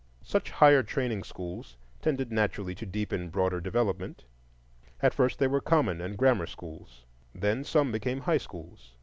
Such higher training schools tended naturally to deepen broader development: at first they were common and grammar schools, then some became high schools.